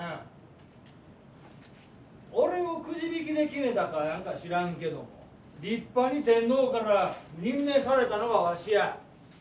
俺をくじ引きで決めたか知らんけども立派に天皇から任命されたのがわしや。